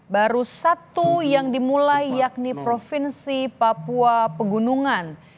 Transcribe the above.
baru satu yang dimulai yakni provinsi papua pegunungan